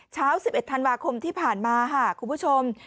เช้า๑๑ธันวาคมที่ผ่านมาค่ะคุณผู้ชม